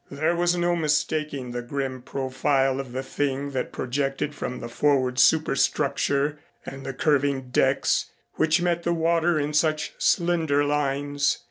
There was no mistaking the grim profile of the thing that projected from the forward superstructure and the curving decks which met the water in such slender lines.